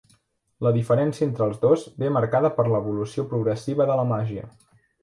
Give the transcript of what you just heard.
La diferència entre els dos ve marcada per l'evolució progressiva de la màgia.